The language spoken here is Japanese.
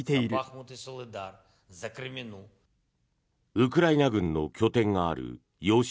ウクライナ軍の拠点がある要衝